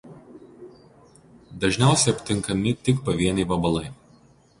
Dažniausiai aptinkami tik pavieniai vabalai.